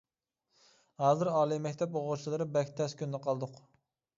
ھازىر ئالىي مەكتەپ ئوقۇغۇچىلىرى بەك تەس كۈندە قالدۇق.